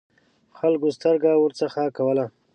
خلکو سترګه ورڅخه کوله.